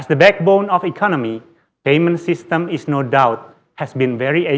sebagai asas ekonomi sistem uang tidak ada kesalahan